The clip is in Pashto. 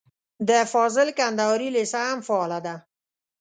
د فاضل کندهاري لېسه هم فعاله ده.